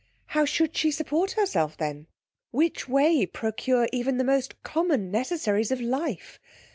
How should she support herself then? which way procure even the most common necessaries of life?